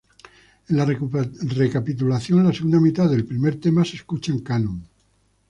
En la recapitulación, la segunda mitad del primer tema se escucha en canon.